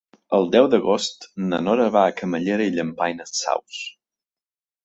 El deu d'agost na Nora va a Camallera i Llampaies Saus.